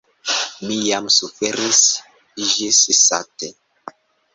Mi jam suferis ĝissate.